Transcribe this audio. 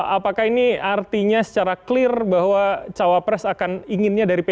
apakah ini artinya secara clear bahwa cawapres akan inginnya dari p tiga